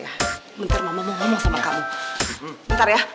jika dia berniat untuk menggantinya sama rindunya